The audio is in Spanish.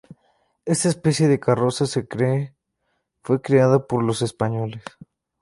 Esta especie de carroza se cree, fue creada por los españoles.